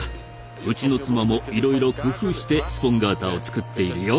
うちの妻もいろいろ工夫してスポンガータを作っているよ。